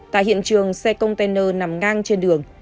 tại hiện trường xe container nằm ngang trên đường